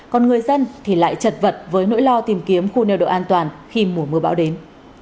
còn người dân thì lại chật vật với nỗi lo tìm kiếm khu neo độ an toàn khi mùa mưa bão đến